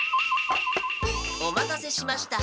お待たせしました。